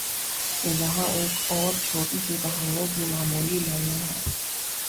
یہاں ایک اور چھوٹی سی کہانی کی معمولی لائنیں ہیں